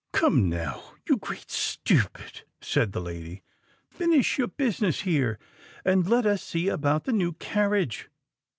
"Come now, you great stupid!" said the lady; "finish your business here, and let us see about the new carriage.